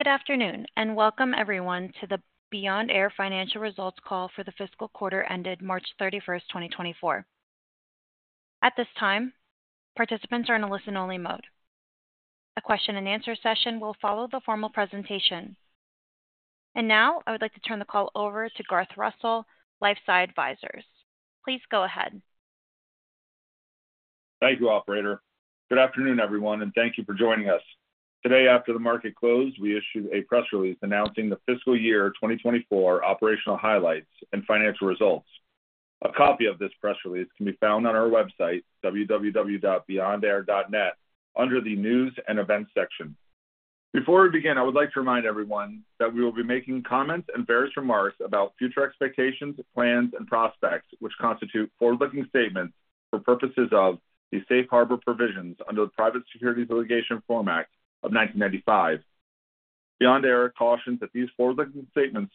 Good afternoon and welcome, everyone, to the Beyond Air Financial Results Call for the fiscal quarter ended March 31st, 2024. At this time, participants are in a listen-only mode. A question-and-answer session will follow the formal presentation. Now, I would like to turn the call over to Garth Russell, LifeSci Advisors. Please go ahead. Thank you, Operator. Good afternoon, everyone, and thank you for joining us. Today, after the market closed, we issued a press release announcing the Fiscal year 2024 Operational Highlights and Financial Results. A copy of this press release can be found on our website, www.beyondair.net, under the News and Events section. Before we begin, I would like to remind everyone that we will be making comments and various remarks about future expectations, plans, and prospects, which constitute forward-looking statements for purposes of the Safe Harbor Provisions under the Private Securities Litigation Reform Act of 1995. Beyond Air cautions that these forward-looking statements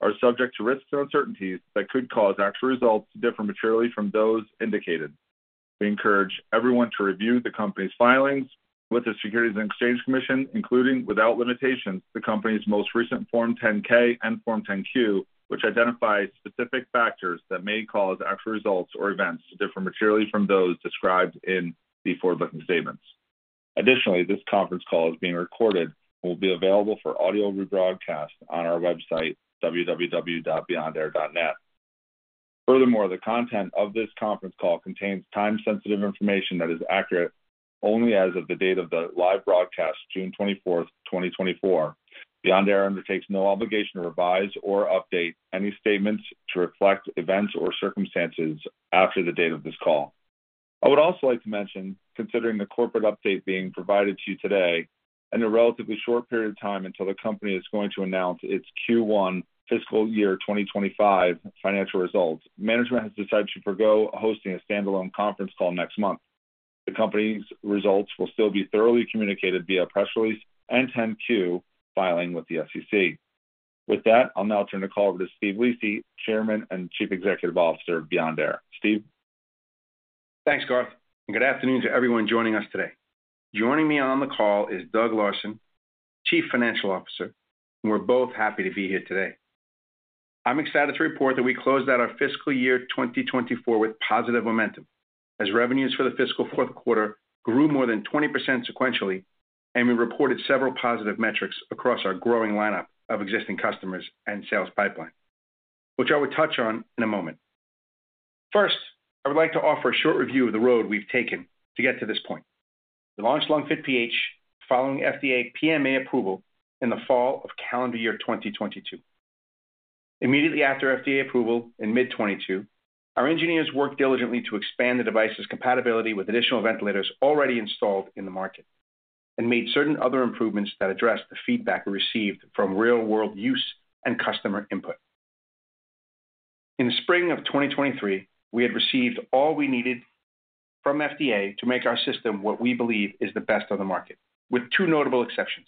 are subject to risks and uncertainties that could cause actual results to differ materially from those indicated. We encourage everyone to review the company's filings with the Securities and Exchange Commission, including, without limitations, the company's most recent Form 10-K and Form 10-Q, which identify specific factors that may cause actual results or events to differ materially from those described in the forward-looking statements. Additionally, this conference call is being recorded and will be available for audio rebroadcast on our website, www.beyondair.net. Furthermore, the content of this conference call contains time-sensitive information that is accurate only as of the date of the live broadcast, June 24th, 2024. Beyond Air undertakes no obligation to revise or update any statements to reflect events or circumstances after the date of this call. I would also like to mention, considering the corporate update being provided to you today, in a relatively short period of time until the company is going to announce its Q1 fiscal year 2025 financial results, management has decided to forgo hosting a standalone conference call next month. The company's results will still be thoroughly communicated via press release and 10-Q filing with the SEC. With that, I'll now turn the call over to Steve Lisi, Chairman and Chief Executive Officer of Beyond Air. Steve? Thanks, Garth. Good afternoon to everyone joining us today. Joining me on the call is Doug Larson, Chief Financial Officer. We're both happy to be here today. I'm excited to report that we closed out our fiscal year 2024 with positive momentum, as revenues for the fiscal fourth quarter grew more than 20% sequentially, and we reported several positive metrics across our growing lineup of existing customers and sales pipeline, which I will touch on in a moment. First, I would like to offer a short review of the road we've taken to get to this point. We launched LungFit PH following FDA PMA approval in the fall of calendar year 2022. Immediately after FDA approval in mid-2022, our engineers worked diligently to expand the device's compatibility with additional ventilators already installed in the market and made certain other improvements that addressed the feedback we received from real-world use and customer input. In the spring of 2023, we had received all we needed from FDA to make our system what we believe is the best on the market, with two notable exceptions: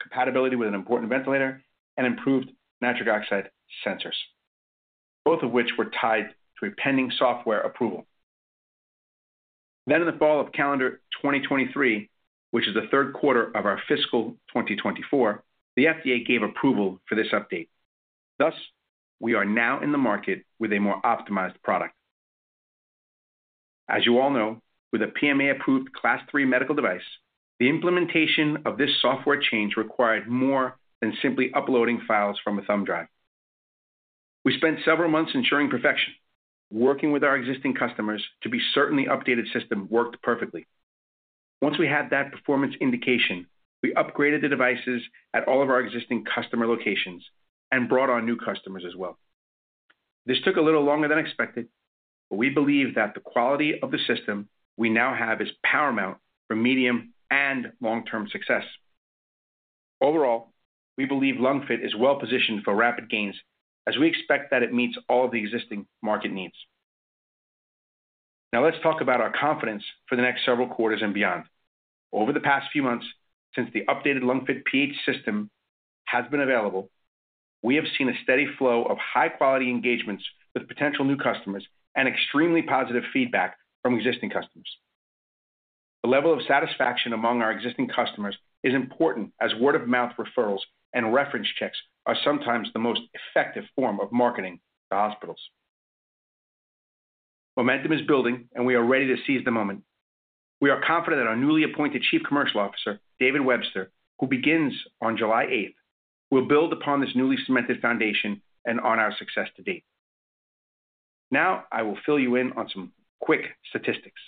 compatibility with an important ventilator and improved nitric oxide sensors, both of which were tied to a pending software approval. Then, in the fall of calendar 2023, which is the third quarter of our fiscal 2024, the FDA gave approval for this update. Thus, we are now in the market with a more optimized product. As you all know, with a PMA-approved class three medical device, the implementation of this software change required more than simply uploading files from a thumb drive. We spent several months ensuring perfection, working with our existing customers to be certain the updated system worked perfectly. Once we had that performance indication, we upgraded the devices at all of our existing customer locations and brought on new customers as well. This took a little longer than expected, but we believe that the quality of the system we now have is paramount for medium and long-term success. Overall, we believe LungFit is well positioned for rapid gains, as we expect that it meets all of the existing market needs. Now, let's talk about our confidence for the next several quarters and beyond. Over the past few months, since the updated LungFit PH system has been available, we have seen a steady flow of high-quality engagements with potential new customers and extremely positive feedback from existing customers. The level of satisfaction among our existing customers is important, as word-of-mouth referrals and reference checks are sometimes the most effective form of marketing to hospitals. Momentum is building, and we are ready to seize the moment. We are confident that our newly appointed Chief Commercial Officer, David Webster, who begins on July 8th, will build upon this newly cemented foundation and on our success to date. Now, I will fill you in on some quick statistics.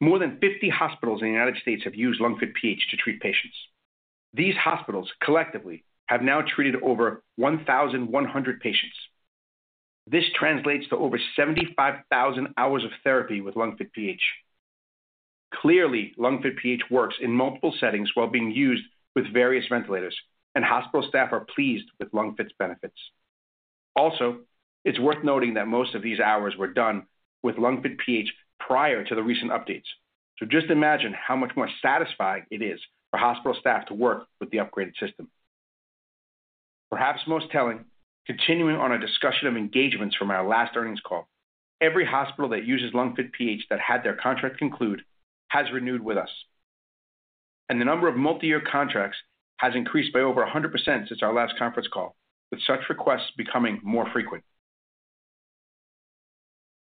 More than 50 hospitals in the United States have used LungFit PH to treat patients. These hospitals collectively have now treated over 1,100 patients. This translates to over 75,000 hours of therapy with LungFit PH. Clearly, LungFit PH works in multiple settings while being used with various ventilators, and hospital staff are pleased with LungFit's benefits. Also, it's worth noting that most of these hours were done with LungFit PH prior to the recent updates, so just imagine how much more satisfying it is for hospital staff to work with the upgraded system. Perhaps most telling, continuing on our discussion of engagements from our last earnings call, every hospital that uses LungFit PH that had their contract conclude has renewed with us, and the number of multi-year contracts has increased by over 100% since our last conference call, with such requests becoming more frequent.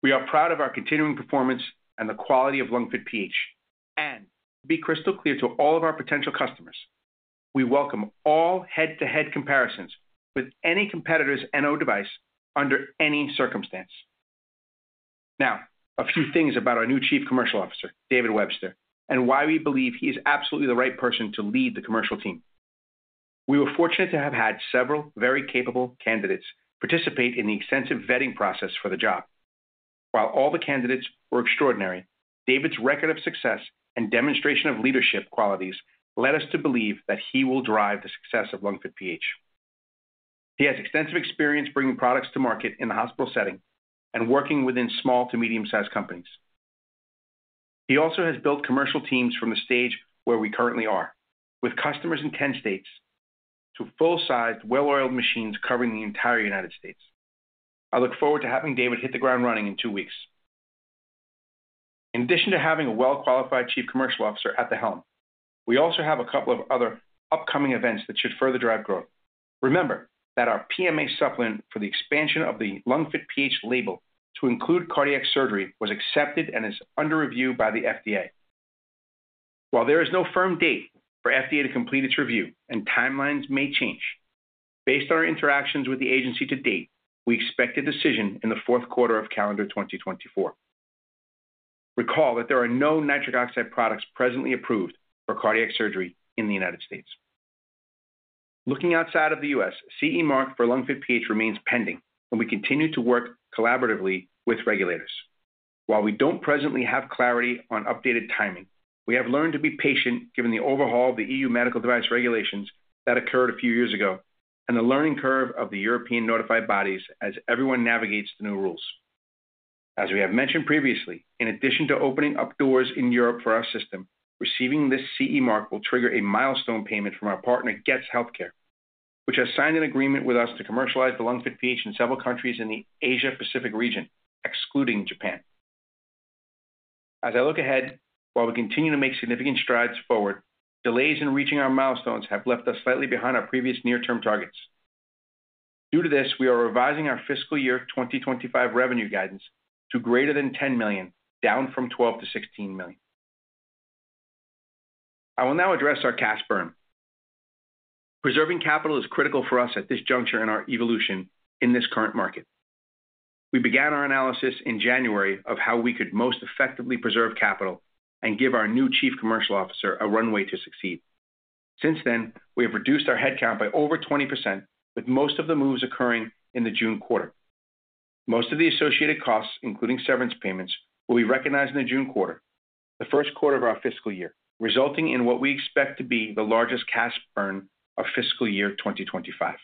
We are proud of our continuing performance and the quality of LungFit PH, and to be crystal clear to all of our potential customers, we welcome all head-to-head comparisons with any competitor's NO device under any circumstance. Now, a few things about our new Chief Commercial Officer, David Webster, and why we believe he is absolutely the right person to lead the commercial team. We were fortunate to have had several very capable candidates participate in the extensive vetting process for the job. While all the candidates were extraordinary, David's record of success and demonstration of leadership qualities led us to believe that he will drive the success of LungFit PH. He has extensive experience bringing products to market in the hospital setting and working within small to medium-sized companies. He also has built commercial teams from the stage where we currently are, with customers in 10 states to full-sized, well-oiled machines covering the entire United States. I look forward to having David hit the ground running in two weeks. In addition to having a well-qualified Chief Commercial Officer at the helm, we also have a couple of other upcoming events that should further drive growth. Remember that our PMA supplement for the expansion of the LungFit PH label to include cardiac surgery was accepted and is under review by the FDA. While there is no firm date for FDA to complete its review, and timelines may change, based on our interactions with the agency to date, we expect a decision in the fourth quarter of calendar 2024. Recall that there are no nitric oxide products presently approved for cardiac surgery in the United States. Looking outside of the U.S., CE mark for LungFit PH remains pending, and we continue to work collaboratively with regulators. While we don't presently have clarity on updated timing, we have learned to be patient given the overhaul of the EU medical device regulations that occurred a few years ago and the learning curve of the European notified bodies as everyone navigates the new rules. As we have mentioned previously, in addition to opening up doors in Europe for our system, receiving this CE mark will trigger a milestone payment from our partner Getz Healthcare, which has signed an agreement with us to commercialize the LungFit PH in several countries in the Asia-Pacific region, excluding Japan. As I look ahead, while we continue to make significant strides forward, delays in reaching our milestones have left us slightly behind our previous near-term targets. Due to this, we are revising our fiscal year 2025 revenue guidance to greater than $10 million, down from $12 million-$16 million. I will now address our cash burn. Preserving capital is critical for us at this juncture in our evolution in this current market. We began our analysis in January of how we could most effectively preserve capital and give our new Chief Commercial Officer a runway to succeed. Since then, we have reduced our headcount by over 20%, with most of the moves occurring in the June quarter. Most of the associated costs, including severance payments, will be recognized in the June quarter, the first quarter of our fiscal year, resulting in what we expect to be the largest cash burn of fiscal year 2025.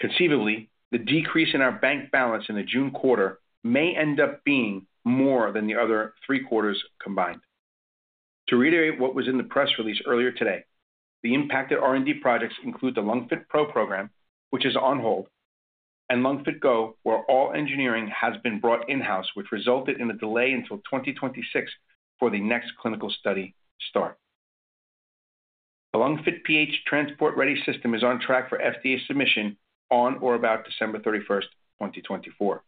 Conceivably, the decrease in our bank balance in the June quarter may end up being more than the other three quarters combined. To reiterate what was in the press release earlier today, the impacted R&D projects include the LungFit PRO program, which is on hold, and LungFit GO, where all engineering has been brought in-house, which resulted in a delay until 2026 for the next clinical study start. The LungFit PH transport-ready system is on track for FDA submission on or about December 31st, 2024.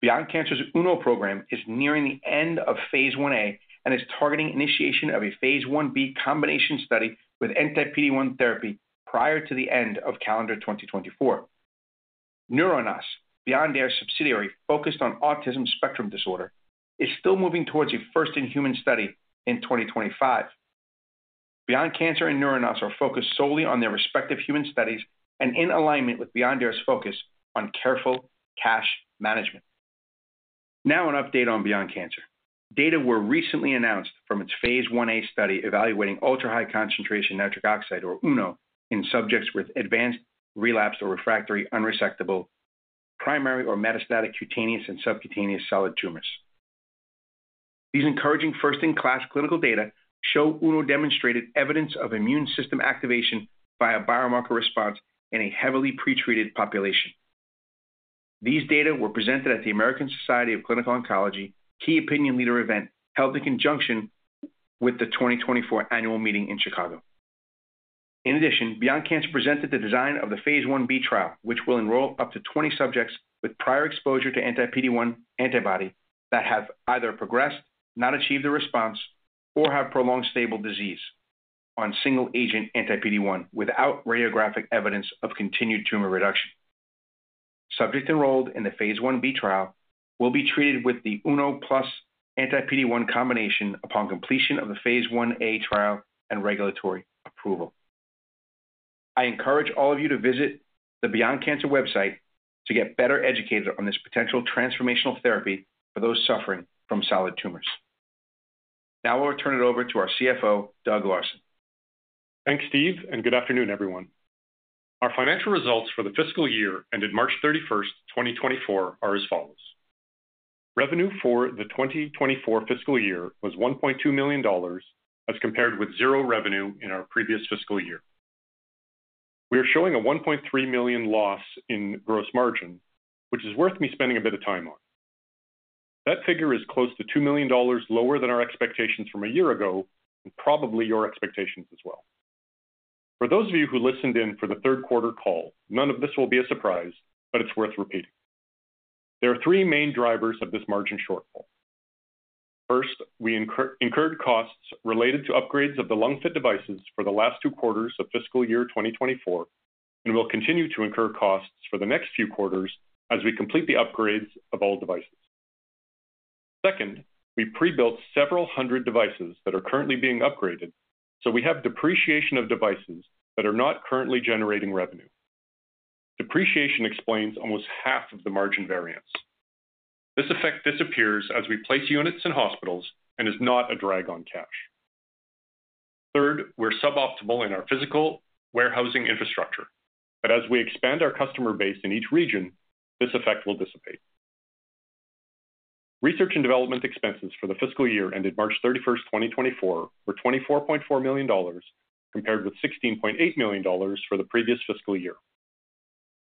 Beyond Cancer's UNO program is nearing the end of Phase 1A and is targeting initiation of a Phase 1B combination study with Anti-PD-1 therapy prior to the end of calendar 2024. NeuroNOS, Beyond Air's subsidiary focused on autism spectrum disorder, is still moving towards a first-in-human study in 2025. Beyond Cancer and NeuroNOS are focused solely on their respective human studies and in alignment with Beyond Air's focus on careful cash management. Now, an update on Beyond Cancer. Data were recently announced from its Phase 1A study evaluating ultra-high concentration nitric oxide, or UNO, in subjects with advanced relapsed or refractory, unresectable, primary or metastatic cutaneous and subcutaneous solid tumors. These encouraging first-in-class clinical data show UNO demonstrated evidence of immune system activation via biomarker response in a heavily pretreated population. These data were presented at the American Society of Clinical Oncology key opinion leader event held in conjunction with the 2024 annual meeting in Chicago. In addition, Beyond Cancer presented the design of the Phase 1B trial, which will enroll up to 20 subjects with prior exposure to Anti-PD-1 antibody that have either progressed, not achieved a response, or have prolonged stable disease on single-agent Anti-PD-1 without radiographic evidence of continued tumor reduction. Subjects enrolled in the Phase 1B trial will be treated with the UNO plus Anti-PD-1 combination upon completion of the Phase 1A trial and regulatory approval. I encourage all of you to visit the Beyond Cancer website to get better educated on this potential transformational therapy for those suffering from solid tumors. Now, I will turn it over to our CFO, Doug Larson. Thanks, Steve, and good afternoon, everyone. Our financial results for the fiscal year ended March 31st, 2024, are as follows. Revenue for the 2024 fiscal year was $1.2 million as compared with zero revenue in our previous fiscal year. We are showing a $1.3 million loss in gross margin, which is worth me spending a bit of time on. That figure is close to $2 million lower than our expectations from a year ago and probably your expectations as well. For those of you who listened in for the third quarter call, none of this will be a surprise, but it's worth repeating. There are three main drivers of this margin shortfall. First, we incurred costs related to upgrades of the LungFit devices for the last two quarters of fiscal year 2024, and we'll continue to incur costs for the next few quarters as we complete the upgrades of all devices. Second, we pre-built several hundred devices that are currently being upgraded, so we have depreciation of devices that are not currently generating revenue. Depreciation explains almost half of the margin variance. This effect disappears as we place units in hospitals and is not a drag on cash. Third, we're suboptimal in our physical warehousing infrastructure, but as we expand our customer base in each region, this effect will dissipate. Research and development expenses for the fiscal year ended March 31st, 2024, were $24.4 million compared with $16.8 million for the previous fiscal year.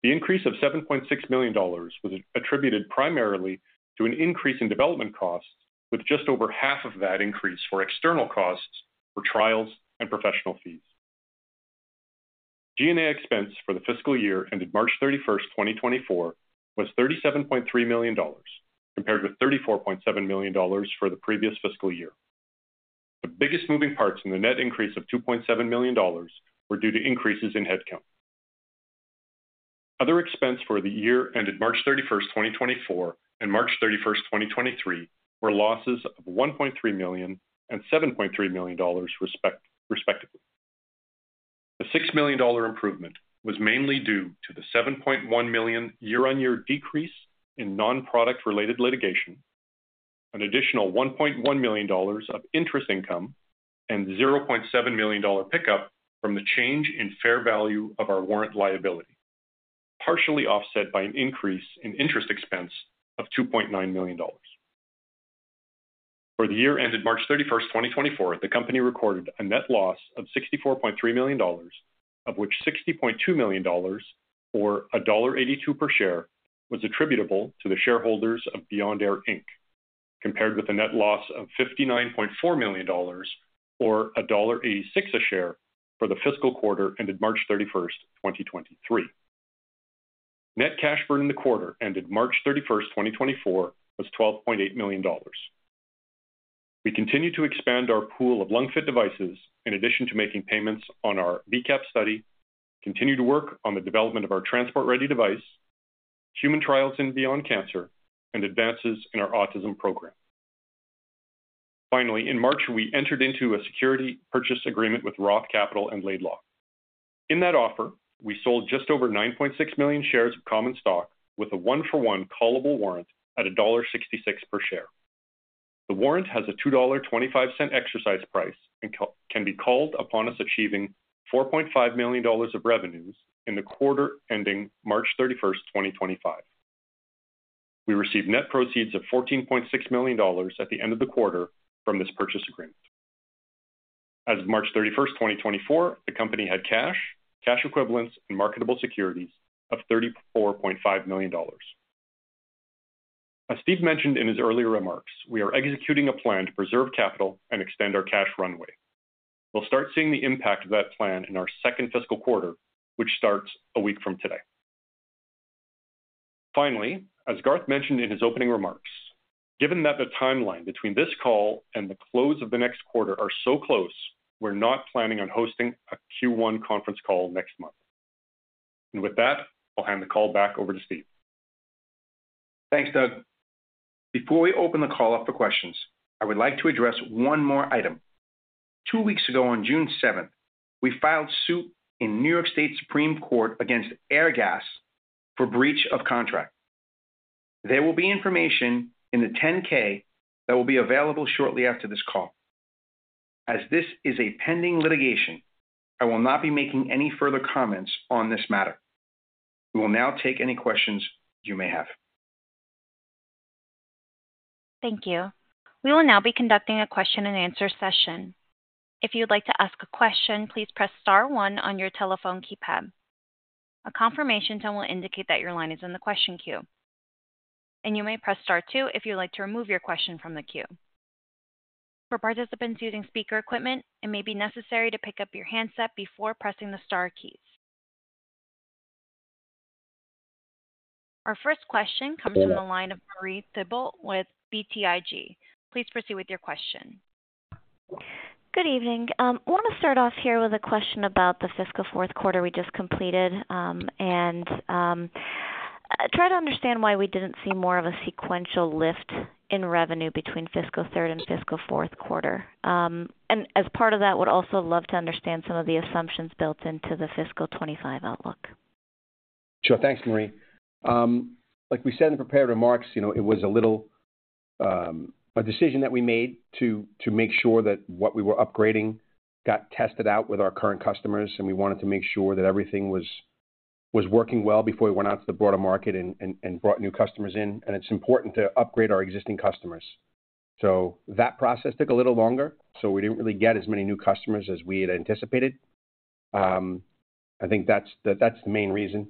The increase of $7.6 million was attributed primarily to an increase in development costs, with just over half of that increase for external costs for trials and professional fees. SG&A expense for the fiscal year ended March 31st, 2024, was $37.3 million compared with $34.7 million for the previous fiscal year. The biggest moving parts in the net increase of $2.7 million were due to increases in headcount. Other expense for the year ended March 31st, 2024, and March 31st, 2023, were losses of $1.3 million and $7.3 million respectively. The $6 million improvement was mainly due to the $7.1 million year-on-year decrease in nonproduct-related litigation, an additional $1.1 million of interest income, and $0.7 million pickup from the change in fair value of our warrant liability, partially offset by an increase in interest expense of $2.9 million. For the year ended March 31st, 2024, the company recorded a net loss of $64.3 million, of which $60.2 million, or $1.82 per share, was attributable to the shareholders of Beyond Air, Inc., compared with a net loss of $59.4 million, or $1.86 a share for the fiscal quarter ended March 31st, 2023. Net cash burn in the quarter ended March 31st, 2024, was $12.8 million. We continue to expand our pool of LungFit devices in addition to making payments on our VCAP study, continue to work on the development of our transport-ready device, human trials in Beyond Cancer, and advances in our autism program. Finally, in March, we entered into a security purchase agreement with Roth Capital and Laidlaw. In that offer, we sold just over 9.6 million shares of common stock with a one-for-one callable warrant at $1.66 per share. The warrant has a $2.25 exercise price and can be called upon us achieving $4.5 million of revenues in the quarter ending March 31st, 2025. We received net proceeds of $14.6 million at the end of the quarter from this purchase agreement. As of March 31st, 2024, the company had cash, cash equivalents, and marketable securities of $34.5 million. As Steve mentioned in his earlier remarks, we are executing a plan to preserve capital and extend our cash runway. We'll start seeing the impact of that plan in our second fiscal quarter, which starts a week from today. Finally, as Garth mentioned in his opening remarks, given that the timeline between this call and the close of the next quarter are so close, we're not planning on hosting a Q1 conference call next month. And with that, I'll hand the call back over to Steve. Thanks, Doug. Before we open the call up for questions, I would like to address one more item. Two weeks ago, on June 7th, we filed suit in New York State Supreme Court against Airgas for breach of contract. There will be information in the 10-K that will be available shortly after this call. As this is a pending litigation, I will not be making any further comments on this matter. We will now take any questions you may have. Thank you. We will now be conducting a question-and-answer session. If you'd like to ask a question, please press star one on your telephone keypad. A confirmation tone will indicate that your line is in the question queue, and you may press star two if you'd like to remove your question from the queue. For participants using speaker equipment, it may be necessary to pick up your handset before pressing the star keys. Our first question comes from the line of Marie Thibault with BTIG. Please proceed with your question. Good evening. I want to start off here with a question about the fiscal fourth quarter we just completed and try to understand why we didn't see more of a sequential lift in revenue between fiscal third and fiscal fourth quarter. Would also love to understand some of the assumptions built into the fiscal 2025 outlook. Sure. Thanks, Marie. Like we said in the prepared remarks, it was a little decision that we made to make sure that what we were upgrading got tested out with our current customers, and we wanted to make sure that everything was working well before we went out to the broader market and brought new customers in. And it's important to upgrade our existing customers. So that process took a little longer, so we didn't really get as many new customers as we had anticipated. I think that's the main reason.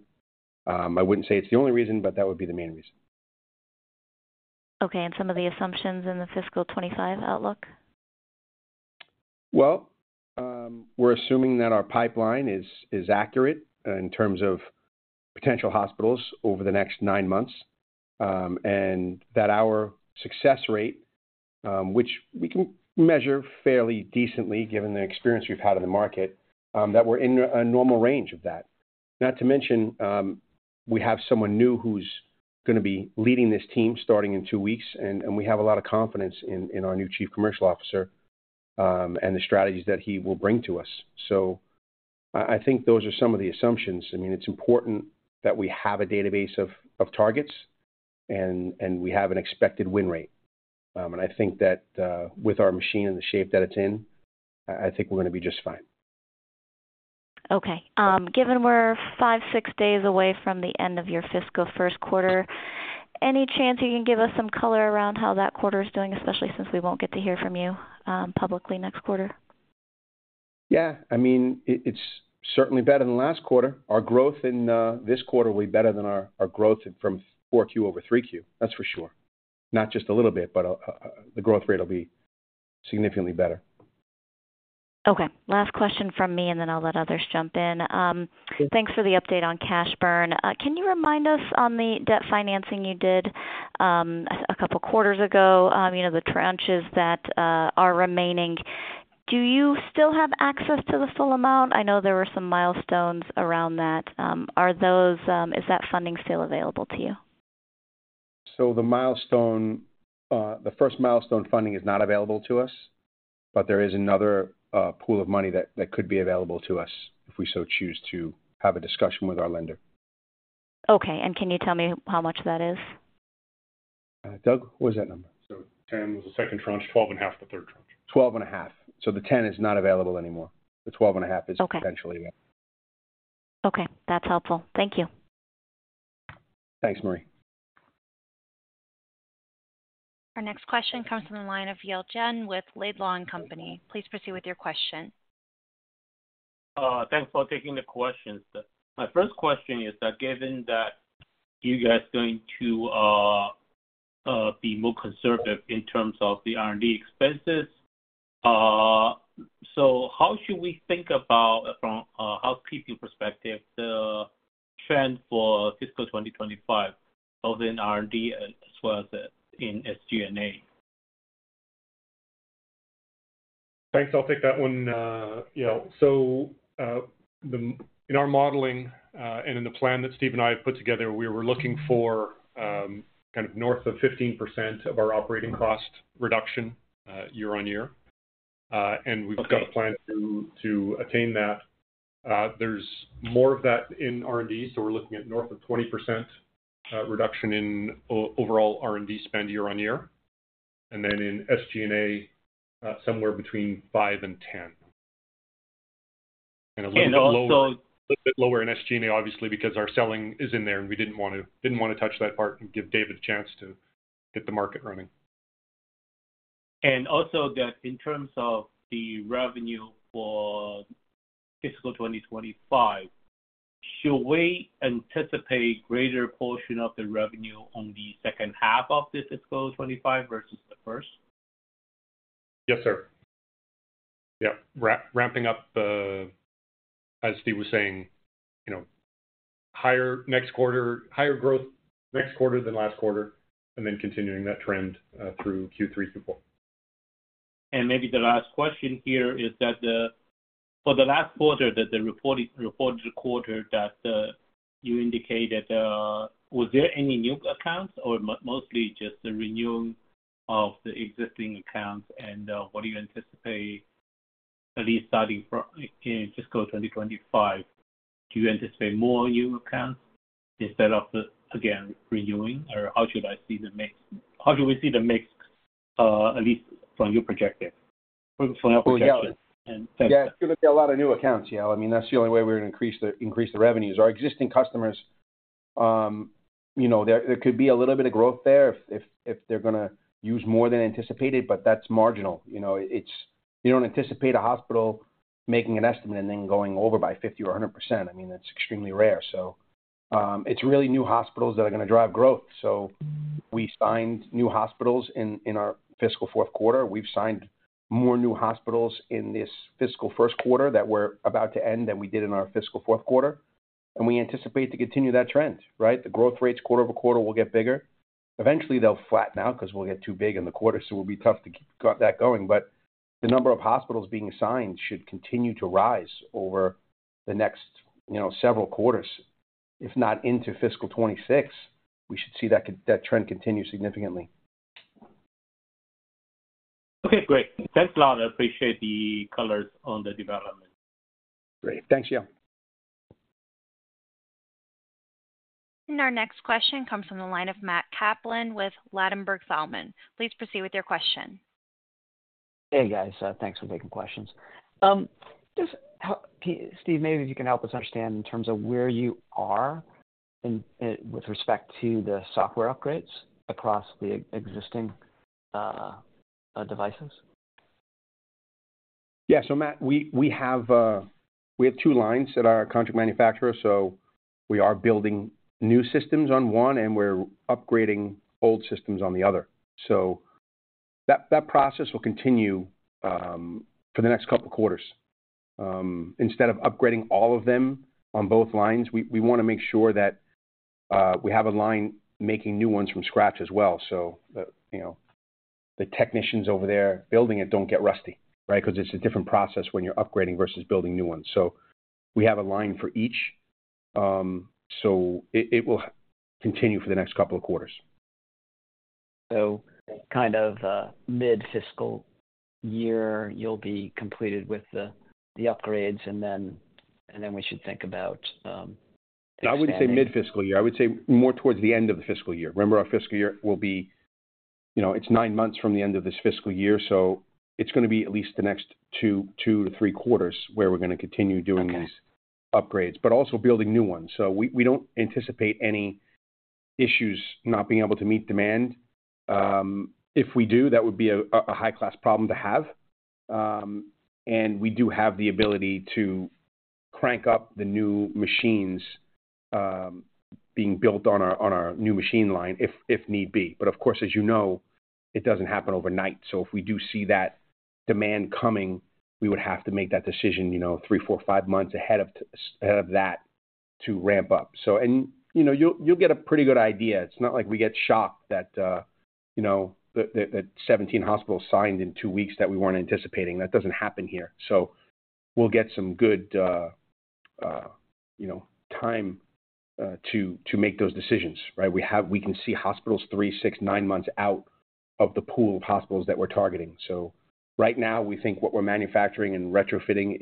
I wouldn't say it's the only reason, but that would be the main reason. Okay. And some of the assumptions in the fiscal 2025 outlook? Well, we're assuming that our pipeline is accurate in terms of potential hospitals over the next nine months and that our success rate, which we can measure fairly decently given the experience we've had in the market, that we're in a normal range of that. Not to mention, we have someone new who's going to be leading this team starting in two weeks, and we have a lot of confidence in our new Chief Commercial Officer and the strategies that he will bring to us. So I think those are some of the assumptions. I mean, it's important that we have a database of targets and we have an expected win rate. And I think that with our machine and the shape that it's in, I think we're going to be just fine. Okay. Given we're five, six days away from the end of your fiscal first quarter, any chance you can give us some color around how that quarter is doing, especially since we won't get to hear from you publicly next quarter? Yeah. I mean, it's certainly better than last quarter. Our growth in this quarter will be better than our growth from 4Q over 3Q, that's for sure. Not just a little bit, but the growth rate will be significantly better. Okay. Last question from me, and then I'll let others jump in. Thanks for the update on cash burn. Can you remind us on the debt financing you did a couple of quarters ago, the tranches that are remaining? Do you still have access to the full amount? I know there were some milestones around that. Is that funding still available to you? The first milestone funding is not available to us, but there is another pool of money that could be available to us if we so choose to have a discussion with our lender. Okay. And can you tell me how much that is? Doug, what was that number? 10 was the second tranche, 12.5 the third tranche. 12.5. So the 10 is not available anymore. The 12.5 is eventually available. Okay. That's helpful. Thank you. Thanks, Marie. Our next question comes from the line of Yale Jen with Laidlaw & Company. Please proceed with your question. Thanks for taking the question. My first question is that given that you guys are going to be more conservative in terms of the R&D expenses, so how should we think about, from a housekeeping perspective, the trend for fiscal 2025 both in R&D as well as in SG&A? Thanks. I'll take that one. So in our modeling and in the plan that Steve and I have put together, we were looking for kind of north of 15% of our operating cost reduction year-on-year. We've got a plan to attain that. There's more of that in R&D, so we're looking at north of 20% reduction in overall R&D spend year-on-year. Then in SG&A, somewhere between 5%-10%. A little bit lower in SG&A, obviously, because our selling is in there, and we didn't want to touch that part and give David a chance to get the market running. And also that in terms of the revenue for fiscal 2025, should we anticipate a greater portion of the revenue on the second half of fiscal 2025 versus the first? Yes, sir. Yeah. Ramping up, as Steve was saying, higher growth next quarter than last quarter, and then continuing that trend through Q3, Q4. Maybe the last question here is that for the last quarter, the reported quarter that you indicated, was there any new accounts or mostly just the renewal of the existing accounts? What do you anticipate, at least starting from fiscal 2025, do you anticipate more new accounts instead of, again, renewing? Or how should I see the mix? How should we see the mix, at least from your perspective? From your perspective. Yeah. It's going to be a lot of new accounts, yeah. I mean, that's the only way we're going to increase the revenues. Our existing customers, there could be a little bit of growth there if they're going to use more than anticipated, but that's marginal. You don't anticipate a hospital making an estimate and then going over by 50% or 100%. I mean, that's extremely rare. So it's really new hospitals that are going to drive growth. We signed new hospitals in our fiscal fourth quarter. We've signed more new hospitals in this fiscal first quarter that we're about to end than we did in our fiscal fourth quarter. We anticipate to continue that trend, right? The growth rates quarter-over-quarter will get bigger. Eventually, they'll flatten out because we'll get too big in the quarter, so it'll be tough to keep that going. But the number of hospitals being signed should continue to rise over the next several quarters, if not into fiscal 2026. We should see that trend continue significantly. Okay. Great. Thanks a lot. I appreciate the colors on the development. Great. Thanks, yeah. Our next question comes from the line of Matt Kaplan with Ladenburg Thalmann. Please proceed with your question. Hey, guys. Thanks for taking questions. Steve, maybe if you can help us understand in terms of where you are with respect to the software upgrades across the existing devices? Yeah. So Matt, we have two lines at our contract manufacturer. So we are building new systems on one, and we're upgrading old systems on the other. So that process will continue for the next couple of quarters. Instead of upgrading all of them on both lines, we want to make sure that we have a line making new ones from scratch as well so that the technicians over there building it don't get rusty, right? Because it's a different process when you're upgrading versus building new ones. So we have a line for each. So it will continue for the next couple of quarters. Kind of mid-fiscal year, you'll be completed with the upgrades, and then we should think about. I wouldn't say mid-fiscal year. I would say more towards the end of the fiscal year. Remember, our fiscal year will be. It's nine months from the end of this fiscal year. So it's going to be at least the next 2-3 quarters where we're going to continue doing these upgrades, but also building new ones. So we don't anticipate any issues not being able to meet demand. If we do, that would be a high-class problem to have. And we do have the ability to crank up the new machines being built on our new machine line if need be. But of course, as you know, it doesn't happen overnight. So if we do see that demand coming, we would have to make that decision three, four, five months ahead of that to ramp up. And you'll get a pretty good idea. It's not like we get shocked that 17 hospitals signed in two weeks that we weren't anticipating. That doesn't happen here. So we'll get some good time to make those decisions, right? We can see hospitals three, six, nine months out of the pool of hospitals that we're targeting. So right now, we think what we're manufacturing and retrofitting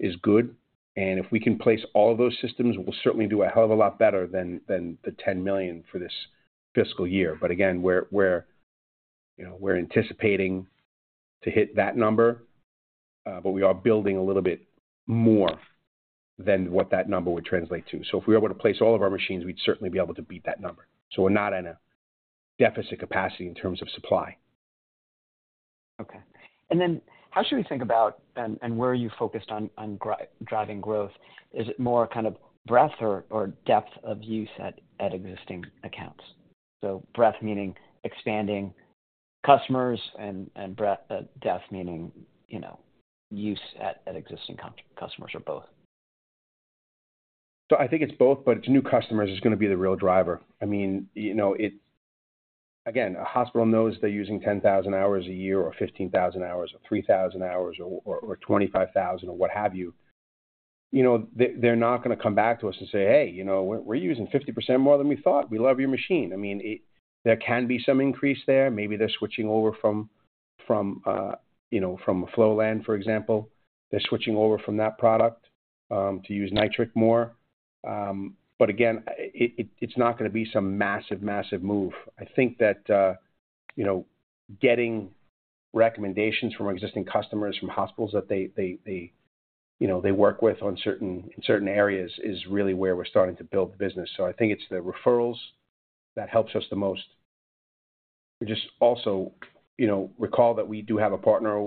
is good. And if we can place all of those systems, we'll certainly do a hell of a lot better than the $10 million for this fiscal year. But again, we're anticipating to hit that number, but we are building a little bit more than what that number would translate to. So if we're able to place all of our machines, we'd certainly be able to beat that number. So we're not in a deficit capacity in terms of supply. Okay. And then how should we think about and where are you focused on driving growth? Is it more kind of breadth or depth of use at existing accounts? So breadth meaning expanding customers and depth meaning use at existing customers or both? So I think it's both, but it's new customers is going to be the real driver. I mean, again, a hospital knows they're using 10,000 hours a year or 15,000 hours or 3,000 hours or 25,000 or what have you. They're not going to come back to us and say, "Hey, we're using 50% more than we thought. We love your machine." I mean, there can be some increase there. Maybe they're switching over from Flolan, for example. They're switching over from that product to use nitric more. But again, it's not going to be some massive, massive move. I think that getting recommendations from existing customers from hospitals that they work with in certain areas is really where we're starting to build the business. So I think it's the referrals that helps us the most. Just also recall that we do have a partner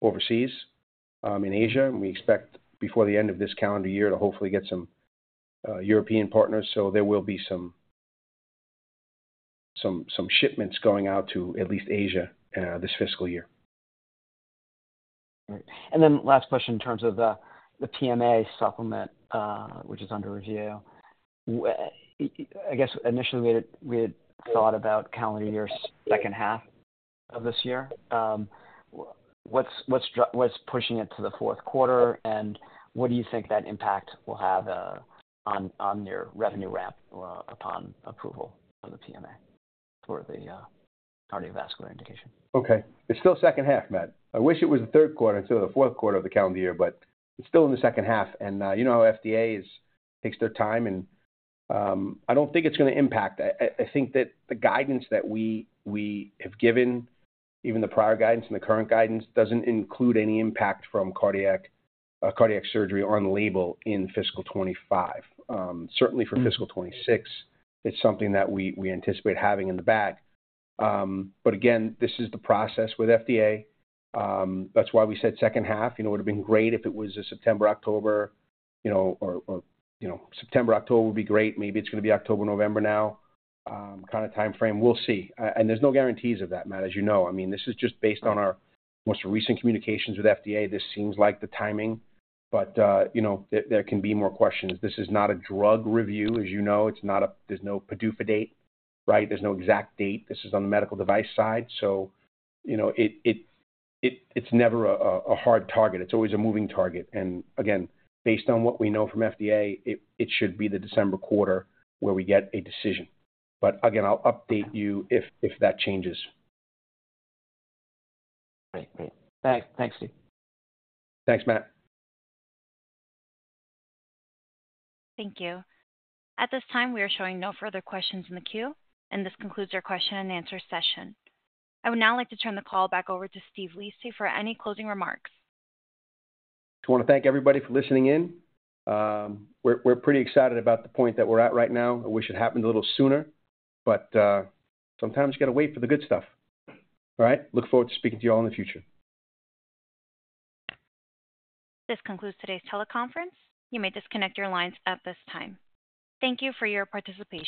overseas in Asia, and we expect before the end of this calendar year to hopefully get some European partners. So there will be some shipments going out to at least Asia this fiscal year. All right. And then last question in terms of the PMA supplement, which is under review. I guess initially we had thought about calendar year second half of this year. What's pushing it to the fourth quarter, and what do you think that impact will have on your revenue ramp upon approval of the PMA for the cardiovascular indication? Okay. It's still second half, Matt. I wish it was the third quarter instead of the fourth quarter of the calendar year, but it's still in the second half. And you know how FDA takes their time, and I don't think it's going to impact. I think that the guidance that we have given, even the prior guidance and the current guidance, doesn't include any impact from cardiac surgery on label in fiscal 2025. Certainly for fiscal 2026, it's something that we anticipate having in the back. But again, this is the process with FDA. That's why we said second half. It would have been great if it was a September, October or September, October would be great. Maybe it's going to be October, November now. Kind of time frame. We'll see. And there's no guarantees of that, Matt, as you know. I mean, this is just based on our most recent communications with FDA. This seems like the timing, but there can be more questions. This is not a drug review, as you know. There's no PDUFA date, right? There's no exact date. This is on the medical device side. So it's never a hard target. It's always a moving target. And again, based on what we know from FDA, it should be the December quarter where we get a decision. But again, I'll update you if that changes. All right. Great. Thanks, Steve. Thanks, Matt. Thank you. At this time, we are showing no further questions in the queue, and this concludes our question and answer session. I would now like to turn the call back over to Steve Lisi for any closing remarks. I want to thank everybody for listening in. We're pretty excited about the point that we're at right now. I wish it happened a little sooner, but sometimes you got to wait for the good stuff, all right? Look forward to speaking to you all in the future. This concludes today's teleconference. You may disconnect your lines at this time. Thank you for your participation.